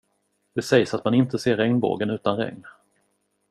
Det sägs att man inte ser regnbågen utan regn.